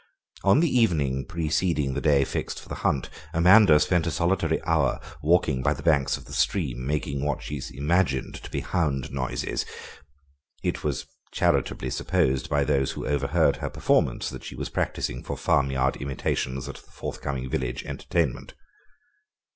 On the evening preceding the day fixed for the hunt Amanda spent a solitary hour walking by the banks of the stream, making what she imagined to be hound noises. It was charitably supposed by those who overheard her performance, that she was practising for farmyard imitations at the forth coming village entertainment.